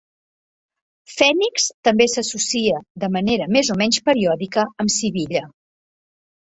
Phenix també s'associa de manera més o menys periòdica amb Sibilla